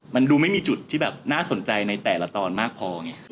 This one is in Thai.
มันดูไม่มีจุดที่แบบน่าสนใจในแต่ละตอนมากพอไง